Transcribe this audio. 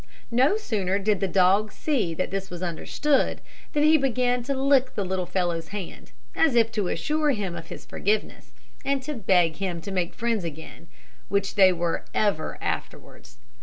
No sooner did the dog see that this was understood, than he began to lick the little fellow's hand, as if to assure him of his forgiveness, and to beg him to make friends again, which they were ever afterwards.